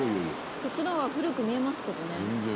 「こっちの方が古く見えますけどね」